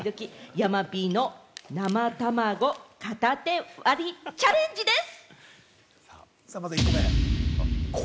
山Ｐの生たまご片手割りチャレンジです！